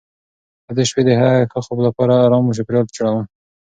زه د شپې د ښه خوب لپاره ارام چاپېریال جوړوم.